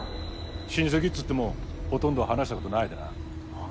親戚っつってもほとんど話した事ないでな。